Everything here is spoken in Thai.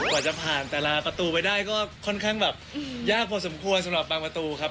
กว่าจะผ่านแต่ละประตูไปได้ก็ค่อนข้างแบบยากพอสมควรสำหรับบางประตูครับ